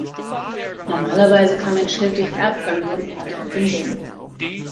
Normalerweise kam ein Schild durch Erbgang vom Vater auf den Sohn.